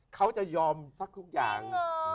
เขาจะยอมสักทุกอย่าง